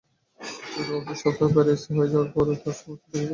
ছবিটি মুক্তির সপ্তাহে পাইরেসি হয়ে যাওয়ার পরও প্রযোজনা সংস্থার পুঁজি ফেরত আসে।